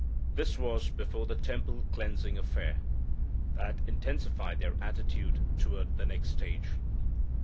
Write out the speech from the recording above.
This was before the temple cleansing affair. That intensified their attitude toward the next stage.